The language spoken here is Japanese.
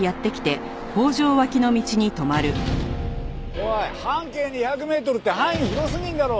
おい半径２００メートルって範囲広すぎんだろ！